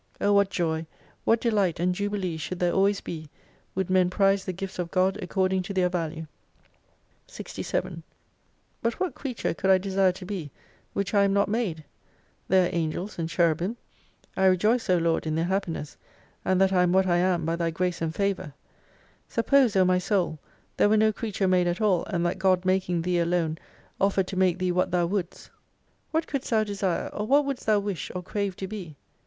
O what Joy, what Delight and Jubilee should there always be, would men prize the Gifts of God according to their value ! 67 But what creature could I desire to be which I am not made ? There are Angels and Cherubim. 1 rejoice, O Lord, in their happiness, and that I am what I am by Thy grace and favour. Suppose, O my Soul, there were no creature made at all, and that God mak ing Thee alone offered to make thee what Thou wouldst : "What couldst Thou desire ; or what wouldst Thou wish, or crave to be